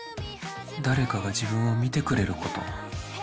誰かが自分を見てくれること。